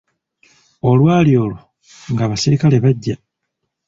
Olwaali olwo, nga abasirikale bajja.